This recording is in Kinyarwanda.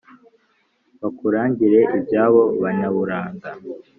bakurangire iby’abo banyaburanga